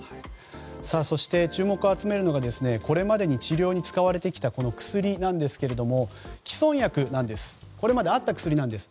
そして、注目を集めるのがこれまで治療に使われてきた薬なんですが既存薬なんですこれまであった薬なんです。